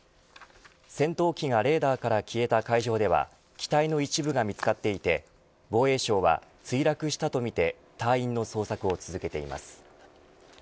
戦闘機がレーダーから消えた海上では機体の一部がみつかっていて防衛省は墜落したとみて隊員の捜索を続けています。